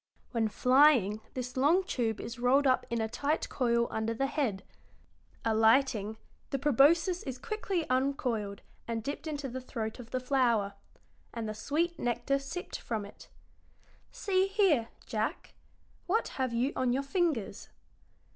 When flying this long tube is rolled up in a tight coil under the head; alighting, the proboscis is quickly uncoiled and dipped into the throat of the flower, and the sweet nectar sipped from it. See here, Jack, what have you on your fingers?"